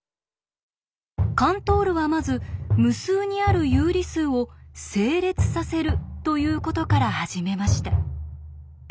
カントールはまず無数にある有理数を「整列させる」ということから始めました。